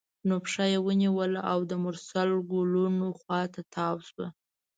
نو پښه یې ونیوله او د مرسل ګلونو خوا ته تاوه شوه.